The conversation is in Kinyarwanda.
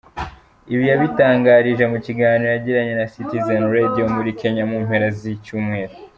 Ibi yabitangarije mu kiganiro yagiranye na Citizen Radio muri Kenya mu mpera z’icyumweru.